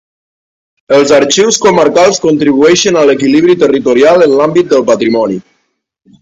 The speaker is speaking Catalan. Els Arxius Comarcals contribueixen a l'equilibri territorial en l'àmbit del patrimoni.